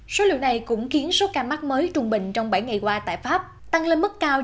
số liệu này cũng khiến số ca mắc mới trung bình trong bảy ngày qua tại pháp tăng lên mức cao